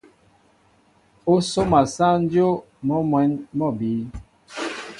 Ó sóma sáŋ dyów, mɔ́ mwɛ̌n mɔ́ a bíy.